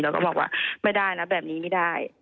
แล้วก็บอกว่าไม่ได้นะแบบนี้ไม่ได้